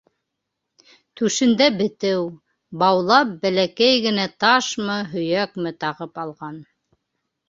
Түшендә бетеү, баулап бәләкәй генә ташмы-һөйәкме тағып алған.